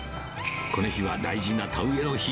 この日は大事な田植えの日。